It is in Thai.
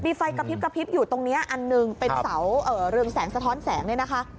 มีไฟกระพริบกระพริบอยู่ตรงนี้อันหนึ่งเป็นเสาเรืองแสงสะท้อนแสงเนี่ยนะคะ